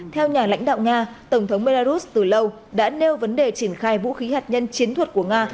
theo nhà lãnh đạo nga tổng thống belarus từ lâu đã nêu vấn đề triển khai vũ khí hạt nhân chiến thuật của nga